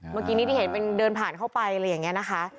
เมื่อกี้นี่เห็นเป็นเดินผ่านเข้าไปแล้วแบบนี้นะคะ